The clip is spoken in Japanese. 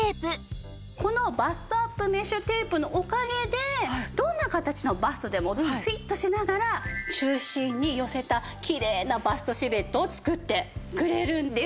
このバストアップメッシュテープのおかげでどんな形のバストでもフィットしながら中心に寄せたきれいなバストシルエットを作ってくれるんです。